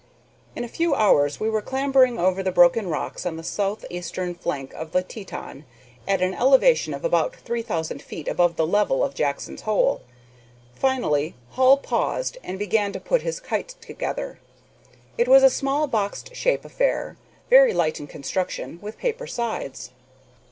In a few hours we were clambering over the broken rocks on the south eastern flank of the Teton at an elevation of about three thousand feet above the level of Jackson's Hole. Finally Hall paused and began to put his kite together. It was a small box shaped affair, very light in construction, with paper sides.